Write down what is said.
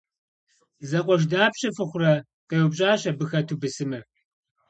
- Зэкъуэш дапщэ фыхъурэ? - къеупщӀащ абы хэту бысымыр.